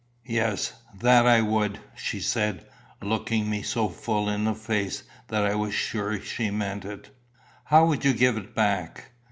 "Yes, that I would," she said, looking me so full in the face that I was sure she meant it. "How would you give it back?